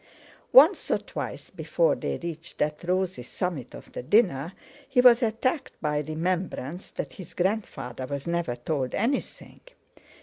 Once or twice before they reached that rosy summit of the dinner he was attacked by remembrance that his grandfather was never told anything!